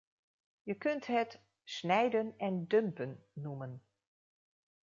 Je kunt het “snijden en dumpen” noemen.